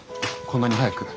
こんなに早く。